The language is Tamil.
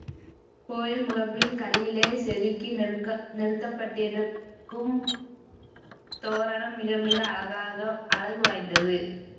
கோயில் முகப்பில் கல்லிலே செதுக்கி நிறுத்தப்பட்டருக்கும் தோரணம் மிக மிக அழகு வாய்ந்தது.